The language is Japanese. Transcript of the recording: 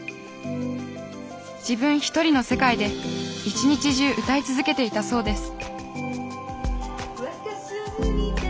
自分一人の世界で一日中歌い続けていたそうです